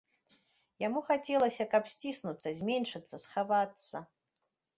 Яму хацелася, каб сціснуцца, зменшыцца, схавацца.